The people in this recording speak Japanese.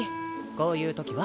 こういうときは？